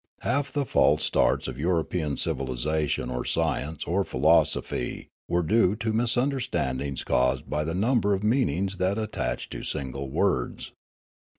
Half the false starts of European civilisation or science or philosophy were due to misunderstandings caused Noola 393 by the number of meaniugs that attach to single words.